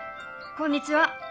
こんにちは！